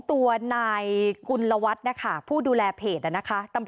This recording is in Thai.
ทาง